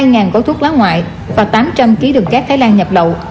hai gói thuốc lá ngoại và tám trăm linh kg đường cát thái lan nhập lậu